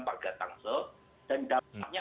warga tangsel dan dampaknya